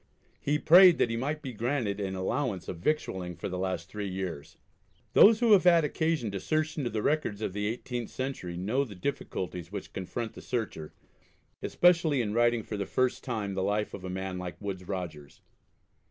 He prayed that he might be granted an allowance of victualling for the last three years." Those who have had occasion to search into the records of the 18th century know the difficulties which confront the searcher, especially in writing for the first time the life of a man like Woodes Rogers.